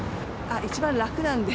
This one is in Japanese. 一番楽なんで。